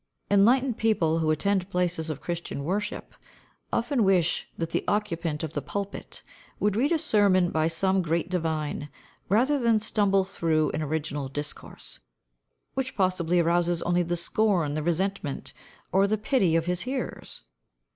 Enlightened people who attend places of Christian worship, often wish that the occupant of the pulpit would read a sermon by some great divine, rather than stumble through an original discourse, which possibly arouses only the scorn, the resentment, or the pity of his hearers.